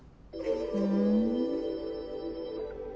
ふん。